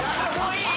いい。